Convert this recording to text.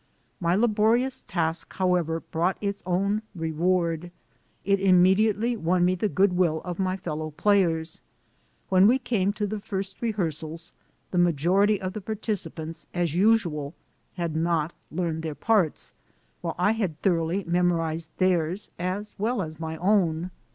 My laborious task, however, brought its own re ward. It immediately won me the good will of my fellow players. When we came to the first rehearsals the majority of the participants, as usual, had not learned their parts, while I had thoroughly memo rized theirs as well as my own.